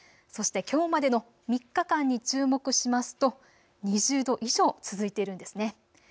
そしてきょうまでの３日間に注目しますと２０度以上、続いているんですね。